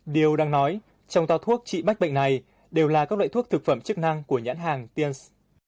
điều đang nói trong to thuốc trị bách bệnh này đều là các loại thuốc thực phẩm chức năng của nhãn hàng tiên